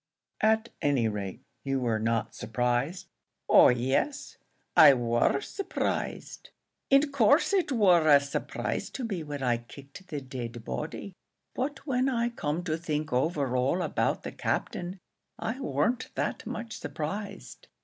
"At any rate, you were not surprised?" "Oh yes, I war surprised; in course it war a surprise to me when I kicked the dead body; but when I come to think over all about the Captain, I warn't that much surprised."